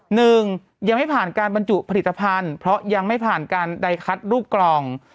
หนึ่งยังไม่ผ่านการบรรจุผลิตภัณฑ์เพราะยังไม่ผ่านการใดคัดลูกกล่อง